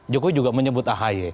jokowi juga menyebut ahy